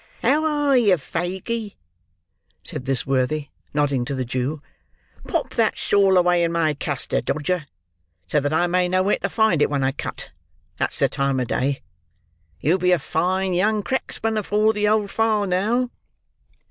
"How are you, Faguey?" said this worthy, nodding to the Jew. "Pop that shawl away in my castor, Dodger, so that I may know where to find it when I cut; that's the time of day! You'll be a fine young cracksman afore the old file now."